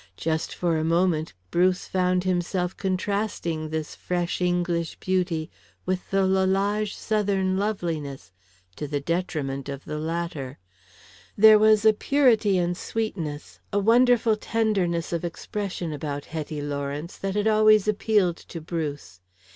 Just for a moment Bruce found himself contrasting this fresh English beauty with the Lalage Southern loveliness to the detriment of the latter. There was a purity and sweetness, a wonderful tenderness of expression about Hetty Lawrence that had always appealed to Bruce.